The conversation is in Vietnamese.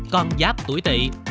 con giáp tuổi tị